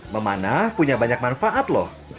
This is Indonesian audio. memanah punya banyak manfaat loh